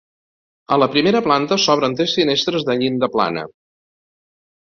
A la primera planta s'obren tres finestres de llinda plana.